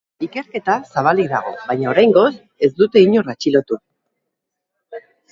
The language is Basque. Ikerketa zabalik dago, baina oraingoz ez dute inor atxilotu.